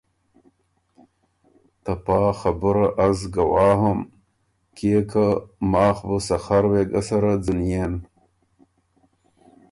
ته پا خبُره از ګواه هوم کيې ماخ بُو سخر وېګه سره ځونيېن۔